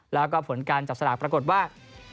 แล้วก็ผลการจับสลากปรากฏว่า